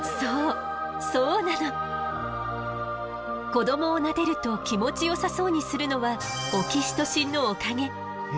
子どもをなでると気持ちよさそうにするのはオキシトシンのおかげ。